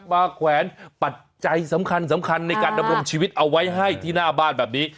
แขวนปัจจัยสำคัญสำคัญในการดำรงชีวิตเอาไว้ให้ที่หน้าบ้านแบบนี้